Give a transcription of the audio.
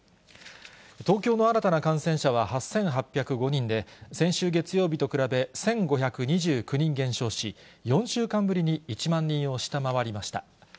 東京の新たな感染者は８８０５人で、先週月曜日と比べ、１５２９人減少し、４週間ぶりに１万人を下回りました。